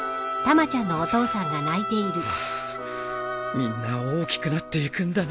みんな大きくなっていくんだな